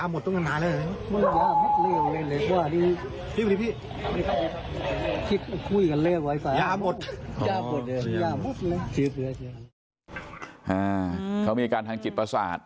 เขามีอาการทางจิตประสาท